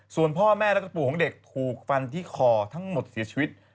ส่วนพ่อแม่แล้วก็ปู่ของเด็กถูกฟันที่คอทั้งหมดเสียชีวิต